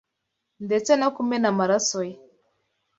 ndetse no kumena amaraso ye